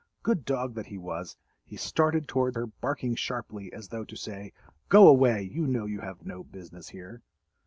Good dog that he was, he started toward her, barking sharply, as though to say, "Go away—you know you have no business here."